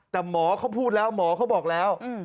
แต่หมอเขาพูดแล้วหมอเขาบอกแล้ว